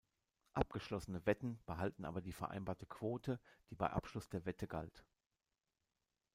Abgeschlossene Wetten behalten aber die vereinbarte Quote, die bei Abschluss der Wette galt.